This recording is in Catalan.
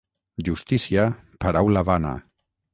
Justícia, paraula vana.